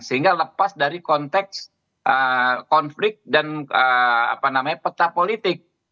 sehingga lepas dari konteks konflik dan peta politik